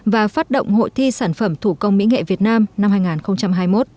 và phát động hội thi sản phẩm thủ công mỹ nghệ việt nam năm hai nghìn hai mươi một